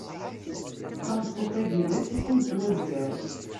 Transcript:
Tameṭṭut-agi d asif ur nettwazgar.